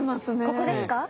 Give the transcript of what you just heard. ここですか？